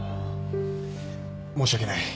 申し訳ない。